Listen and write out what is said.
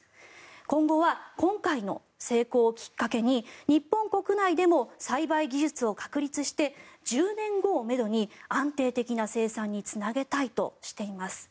今後は今回の成功をきっかけに日本国内でも栽培技術を確立して１０年後をめどに安定的な生産につなげたいとしています。